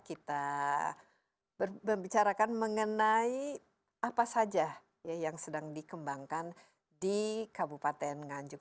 kita membicarakan mengenai apa saja yang sedang dikembangkan di kabupaten nganjuk